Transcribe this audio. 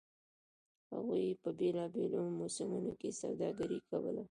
هغوی په بېلابېلو موسمونو کې سوداګري کوله.